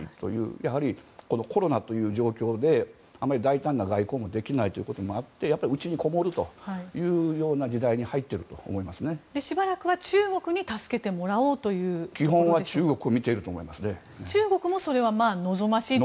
やはりコロナという状況であまり大胆な外交もできないということもあって内にこもるというような時代にしばらくは基本は中国もそれは望ましいと。